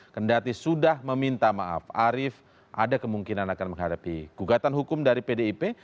kendati sudah meminta maaf arief ada kemungkinan akan menghadapi gugatan hukum dari pdip